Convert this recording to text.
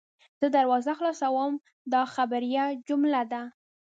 زه دروازه خلاصوم – دا خبریه جمله ده.